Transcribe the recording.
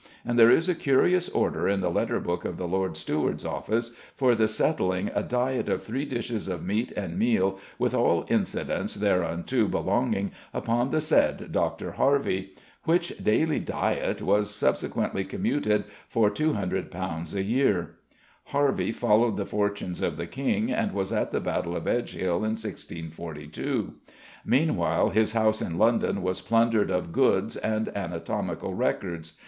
and there is a curious order in the letter book of the Lord Steward's office for the settling a "diett of three dishes of meat and meale with all incidents thereunto belonging upon the said Dr. Harvey," which daily "diett" was subsequently commuted for £200 a year. Harvey followed the fortunes of the King, and was at the Battle of Edgehill in 1642. Meanwhile his house in London was plundered of goods and anatomical records.